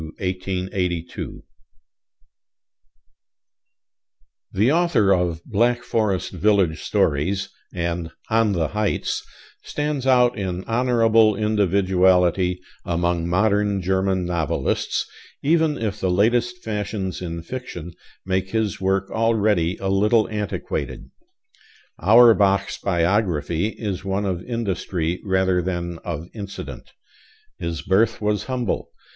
BERTHOLD AUERBACH (1812 1882) The author of 'Black Forest Village Stories' and 'On the Heights' stands out in honorable individuality among modern German novelists, even if the latest fashions in fiction make his work already a little antiquated. Auerbach's biography is one of industry rather than of incident. His birth was humble.